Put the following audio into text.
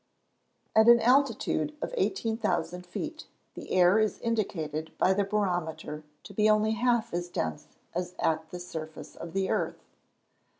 At an altitude of 18,000 feet the air is indicated by the barometer to be only half as dense as at the surface of the earth.